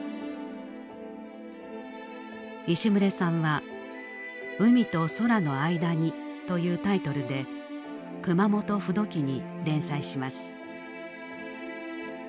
石牟礼さんは「海と空のあいだに」というタイトルで「熊本風土記」に連載します。